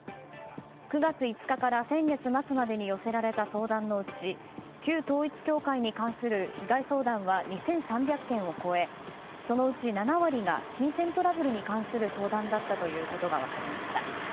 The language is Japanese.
９月５日から先月末までに寄せられた相談のうち旧統一教会に関する被害相談は２３００件を超えそのうち７割が金銭トラブルに関する相談だったということが分かりました。